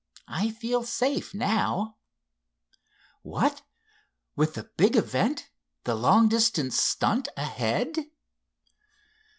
I feel safe now." "What with the big event, the long distance stunt, ahead?"